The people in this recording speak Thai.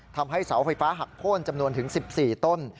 ทำให้เสาไฟฟ้าหักโค้นจำนวนถึง๑๔ต้น